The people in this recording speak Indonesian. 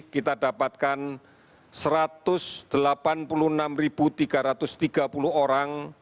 kita dapatkan satu ratus delapan puluh enam tiga ratus tiga puluh orang